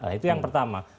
nah itu yang pertama